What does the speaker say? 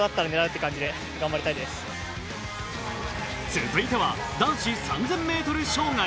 続いては男子３０００ｍ障害。